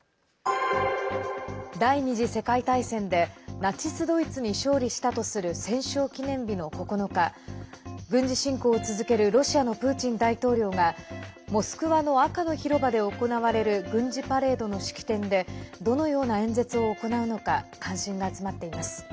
第２次世界大戦でナチス・ドイツに勝利したとする戦勝記念日の９日軍事侵攻を続けるロシアのプーチン大統領がモスクワの赤の広場で行われる軍事パレードの式典でどのような演説を行うのか関心が集まっています。